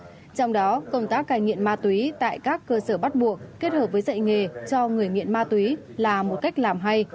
trong đó công tác cai nghiện ma túy tại các cơ sở bắt buộc kết hợp với dạy nghề cho người nghiện ma túy là một cách làm hay